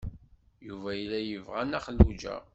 Yuba yella yebɣa Nna Xelluǧa.